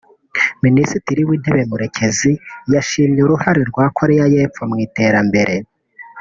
Minisitiri w’Intebe Murekezi yashimye uruhare rwa Koreya y’Epfo mu iterambere